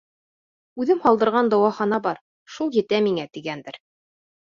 Үҙем һалдырған дауахана бар, шул етә миңә, тигәндер.